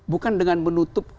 bukan dengan menutup